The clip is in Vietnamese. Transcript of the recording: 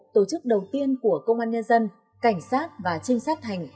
tổ chức đầu tiên của công an nhân dân cảnh sát và trinh sát thành